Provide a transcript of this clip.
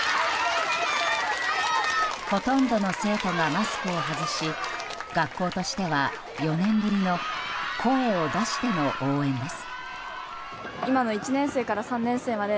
ほとんどの生徒がマスクを外し学校としては４年ぶりの声を出しての応援です。